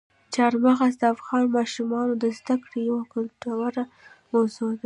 چار مغز د افغان ماشومانو د زده کړې یوه ګټوره موضوع ده.